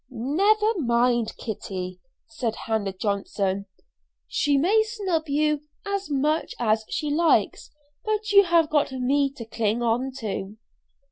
"Never mind, Kitty," said Hannah Johnson. "She may snub you as much as she likes, but you have got me to cling on to."